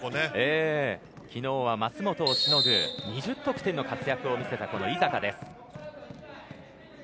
昨日は舛本をしのぐ２０得点の活躍を見せた井坂です。